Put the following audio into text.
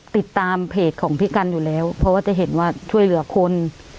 ติดตามเพจของพี่กันอยู่แล้วเพราะว่าจะเห็นว่าช่วยเหลือคน